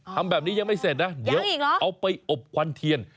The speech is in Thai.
ทำแบบนี้ยังไม่เสร็จนะเดี๋ยวเอาไปอบควันเทียน